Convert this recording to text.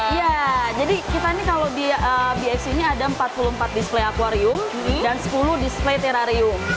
iya jadi kita ini kalau di bx ini ada empat puluh empat display akwarium dan sepuluh display terrarium